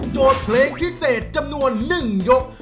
โจทย์เพลงพิเศษจำนวน๑ยก